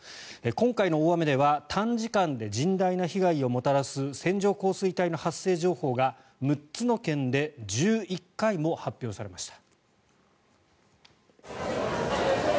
今回の大雨では短時間で甚大な被害をもたらす線状降水帯の発生情報が６つの県で１１回も発表されました。